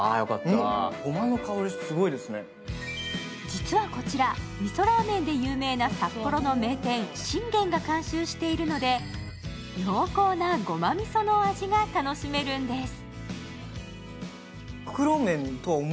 実はこちら、みそラーメンで有名な札幌の名店、信玄が監修しているので、濃厚なごま味噌の味が楽しめるんです。